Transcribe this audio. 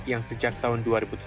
yang sejak tahun dua ribu tujuh belas